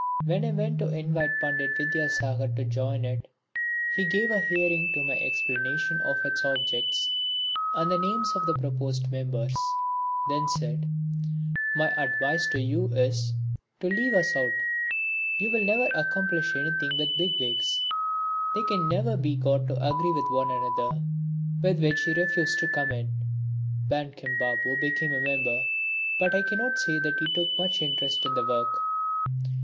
When I went to invite Pandit Vidyasagar to join it, he gave a hearing to my explanation of its objects and the names of the proposed members, then said: "My advice to you is to leave us out you will never accomplish anything with big wigs; they can never be got to agree with one another." With which he refused to come in. Bankim Babu became a member, but I cannot say that he took much interest in the work.